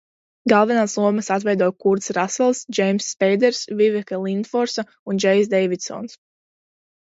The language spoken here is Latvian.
Galvenās lomas atveido Kurts Rasels, Džeimss Speiders, Viveka Lindforsa un Džejs Deividsons.